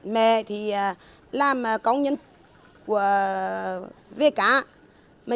mẹ thì làm công nhân về cá